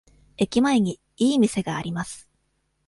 駅前にいい店があります。